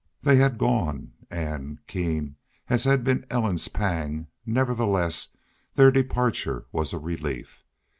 They had gone and, keen as had been Ellen's pang, nevertheless, their departure was a relief.